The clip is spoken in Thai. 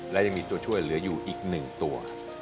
และยังมีตัวช่วยเหลืออยู่อีก๑ตัว